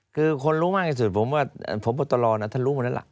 คือคนรู้มากที่สุดผมว่าพบตรท่านรู้หมดแล้วล่ะ